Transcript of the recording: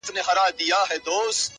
• او تاته زما د خپلولو په نيت ـ